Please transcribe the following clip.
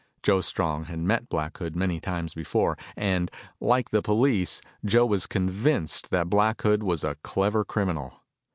Joe Strong had met Black Hood many times before, and, like the police, Joe was convinced that Black Hood was a clever criminal.